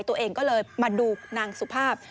ตัวเองก็เลยมาดูนางสุภาพ